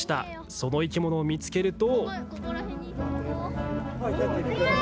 その生き物を見つけると。